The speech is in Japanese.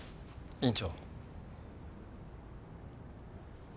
院長。